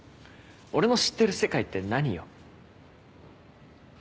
俺の知ってる世界って何よ。